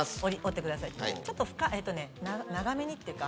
ちょっと長めにっていうか。